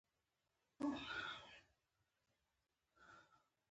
ناڅاپي مې پر حلال رسټورانټ سترګې ولګېدې.